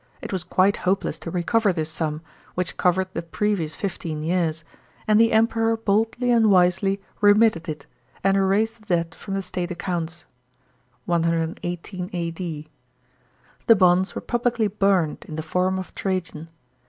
It was quite hopeless to recover this sum, which covered the previous fifteen years, and the Emperor boldly and wisely remitted it, and erased the debt from the state accounts (118 A.D.). The bonds were publicly burned in the Forum of Trajan.